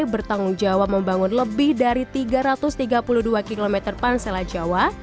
bertanggung jawab membangun lebih dari tiga ratus tiga puluh dua km pansela jawa